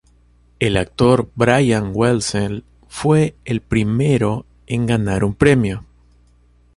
El actor Brian Wenzel fue el primero en ganar un premio.